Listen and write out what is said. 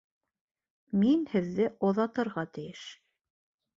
Мин һеҙҙе оҙатырға тейеш